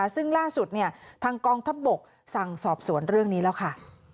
ซึ่งล่าสุดทางกองทัพบกสั่งสอบสวนเรื่องนี้แล้วค่ะ